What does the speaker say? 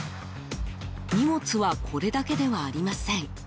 荷物はこれだけではありません。